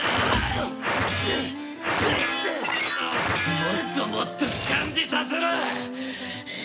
もっともっと感じさせろ！